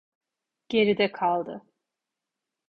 Geride kaldı.